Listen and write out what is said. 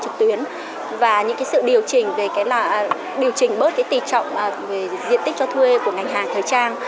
mô hình cửa hàng kết hợp với kinh doanh trực tuyến và những sự điều chỉnh bớt tỷ trọng diện tích cho thuê của ngành hàng thời trang